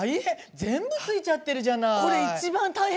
全部ついちゃってるじゃない。